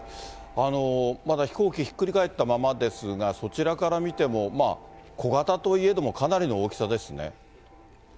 まだ飛行機ひっくり返ったままですが、そちらから見ても、小型といえども、かなりの大きさですね。